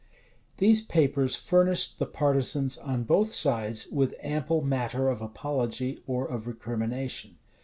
[] These papers furnished the partisans on both sides with ample matter of apology or of recrimination.